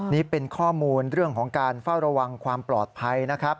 นี่เป็นข้อมูลเรื่องของการเฝ้าระวังความปลอดภัยนะครับ